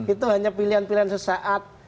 itu hanya pilihan pilihan sesaat